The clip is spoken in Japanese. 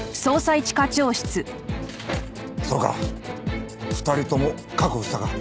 そうか２人とも確保したか。